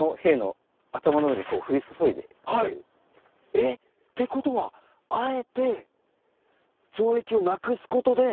えっ？ってことはあえて。